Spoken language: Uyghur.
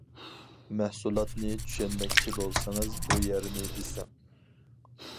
مەھسۇلاتنى چۈشەنمەكچى بولسىڭىز بۇ يەرنى بېسىڭ.